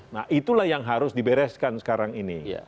nah itulah yang harus dibereskan sekarang ini